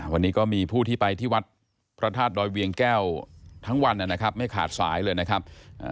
วันนี้ก็มีผู้ที่ไปที่วัดพระธาตุดอยเวียงแก้วทั้งวันนะครับไม่ขาดสายเลยนะครับ